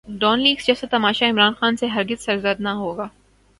Dawn leaks جیسا تماشا عمران خان سے ہر گز سرزد نہ ہوگا۔